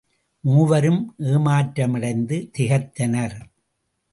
மூவரும் ஏமாற்றமடைந்து திகைத்தனர்.